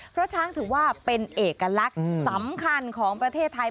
เพราะช้างถือว่าเป็นเอกลักษณ์สำคัญของประเทศไทย